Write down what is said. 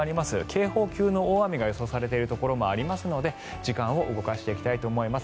警報級の大雨が予想されているところもありますので時間を動かしていきたいと思います。